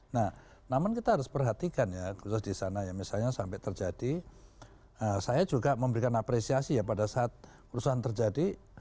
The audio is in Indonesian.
nah namun kita harus perhatikan ya khusus di sana ya misalnya sampai terjadi saya juga memberikan apresiasi ya pada saat perusahaan terjadi